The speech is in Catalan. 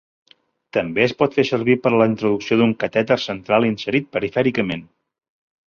També es pot fer servir per a la introducció d'un catèter central inserit perifèricament.